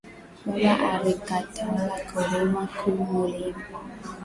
Baba arikatala kurima ku mulima